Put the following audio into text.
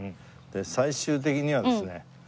最終的にはですね